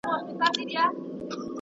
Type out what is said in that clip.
زه به اوږده موده خبري کړې وم!!